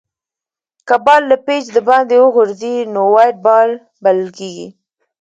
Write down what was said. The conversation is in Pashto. که بال له پيچ دباندي وغورځي؛ نو وایډ بال بلل کیږي.